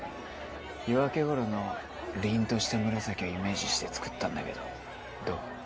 夜明け頃の凛とした紫をイメージして作ったんだけどどう？